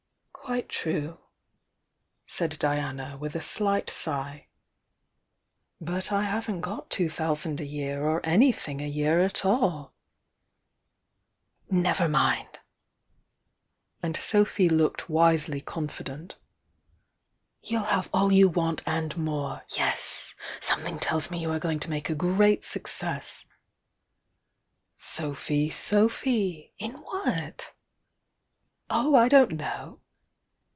"Quite true," said Diana, with a slight sigh. "But 84 THE YOUNG DIANA I haven't got two thousand a year, or anythiiuc a year at all!" ||Never mind!" and Sophy looked wisely confident — you 11 have all you want and more! Yes!— some thmg tells me you are going to make a great suc I^Sophy, Sophy! In what?" "Oh, I don't know!"